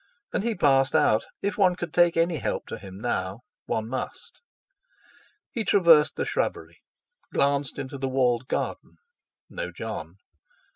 And he passed out. If one could take any help to him now—one must! He traversed the shrubbery, glanced into the walled garden—no Jon!